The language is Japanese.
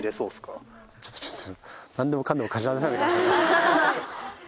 ちょっとちょっと。